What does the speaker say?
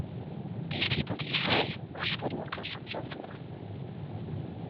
These people, you say, are skilled workers and so forth.